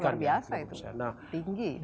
luar biasa itu tinggi